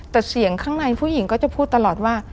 แต่เสียงข้างในผู้หญิงก็จะพูดตลอดว่า